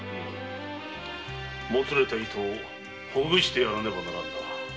もつれた糸ほぐしてやらねばならぬな。